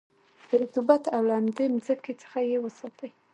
د رطوبت او لمدې مځکې څخه یې وساتی.